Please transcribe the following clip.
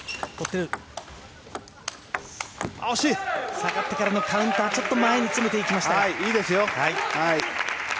下がってからのカウンター前に詰めていきました。